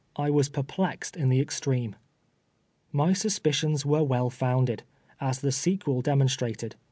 I was " perplexed in the extreme." My suspicions M ere well founded, as the sequel de monstrated.